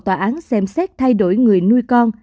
tòa án xem xét thay đổi người nuôi con